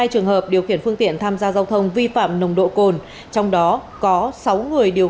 hai mươi trường hợp điều khiển phương tiện tham gia giao thông vi phạm nồng độ cồn trong đó có sáu người điều